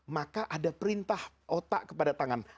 maka ada perintah otak kepada tangan